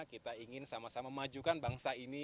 kita ingin sama sama majukan bangsa ini